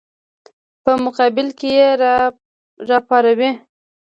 په مقابل کې یې راپاروي.